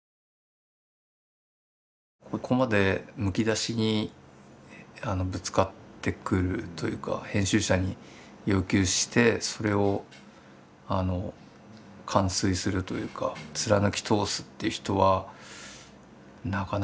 ここまでむき出しにぶつかってくるというか編集者に要求してそれを完遂するというか貫き通すって人はなかなかもう現れないんじゃないかなと。